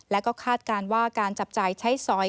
และก็คาดการณ์ว่าการจับจ่ายใช้สอย